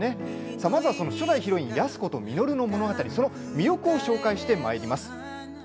まずは初代ヒロイン・安子と稔の物語その魅力を紹介します。